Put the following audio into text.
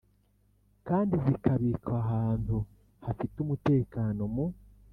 kandi zikabikwa ahantu hafite umutekano mu